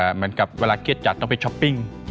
เหมือนกับเวลาเครียดจัดต้องไปช้อปปิ้ง